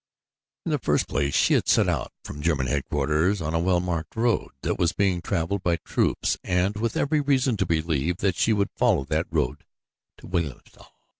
In the first place she had set out from German headquarters on a well marked road that was being traveled by troops and with every reason to believe that she would follow that road to Wilhelmstal.